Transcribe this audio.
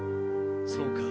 そうか。